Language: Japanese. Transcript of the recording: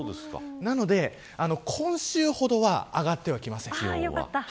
なので、今週ほどは上がってはきません。